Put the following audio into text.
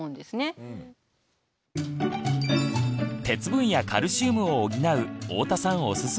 鉄分やカルシウムを補う太田さんおすすめのおやつはこちら！